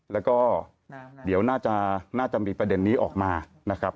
แล้วก็เดี๋ยวน่าจะมีประเด็นนี้ออกมานะครับ